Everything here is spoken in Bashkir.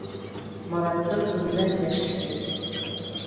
Мараттың күҙенә йәш килде.